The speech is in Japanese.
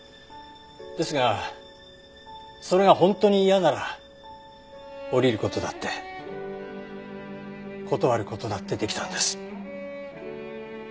ですがそれが本当に嫌なら降りる事だって断る事だってできたんです。